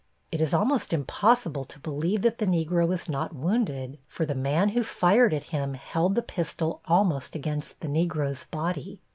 It is almost impossible to believe that the Negro was not wounded, for the man who fired at him held the pistol almost against the Negro's body.